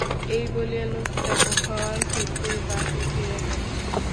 এই বলিয়া ললিতা ঘর হইতে বাহির হইয়া গেল।